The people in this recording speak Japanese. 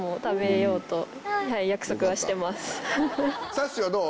さっしーはどう？